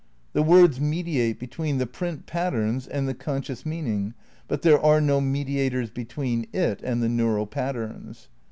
The words mediate between the print patterns and the conscious meaning, but there are no mediators between it and the neural patterns.